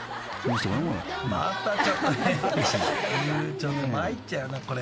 ［ちょっと参っちゃうなこれ］